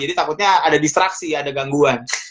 jadi takutnya ada distraksi ada gangguan